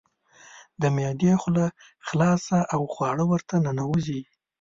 د معدې خوله خلاصه او خواړه ورته ننوزي.